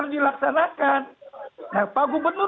dilaksanakan nah pak gubernur